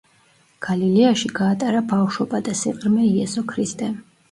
გალილეაში გაატარა ბავშვობა და სიყრმე იესო ქრისტემ.